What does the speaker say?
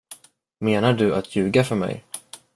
Menar du att ljuga för mig?